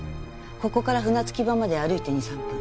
ここから船着場まで歩いて２３分。